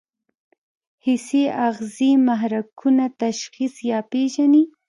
حسي آخذې محرکونه تشخیص یا پېژني.